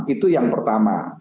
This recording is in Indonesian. itu yang pertama